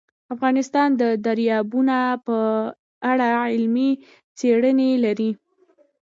افغانستان د دریابونه په اړه علمي څېړنې لري.